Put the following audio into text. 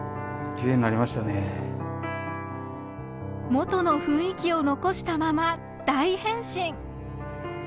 元の雰囲気を残したまま大変身！